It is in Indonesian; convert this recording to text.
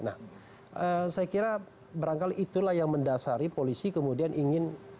nah saya kira berangkal itulah yang mendasari polisi kemudian ingin